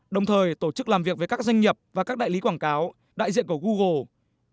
đồng thời tổ chức làm việc với các doanh nghiệp và các đại lý quảng cáo đại diện của google